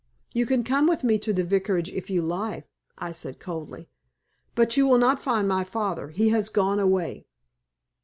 "You can come with me to the Vicarage if you like," I said, coldly; "but you will not find my father. He has gone away."